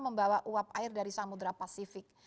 membawa uap air dari samudera pasifik